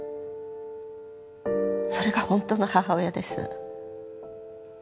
それが本当の母親です。